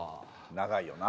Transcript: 長いよな。